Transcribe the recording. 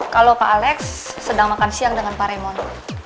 kalau pak alex sedang makan siang dengan pak remoni